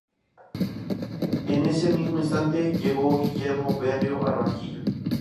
En ese mismo instante, llegó Guillermo Berrío al banquillo.